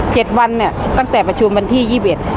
เจ็ดวันเนี่ยตั้งแต่ประชุมวันที่ยี่สิบเอ็ด